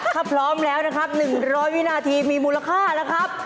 ถ้าพร้อมแล้วนะครับ๑๐๐วินาทีมีมูลค่านะครับ